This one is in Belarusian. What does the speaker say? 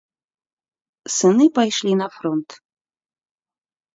Сыны пайшлі на фронт.